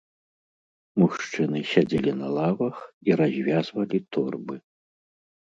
Мужчыны сядзелі на лавах і развязвалі торбы.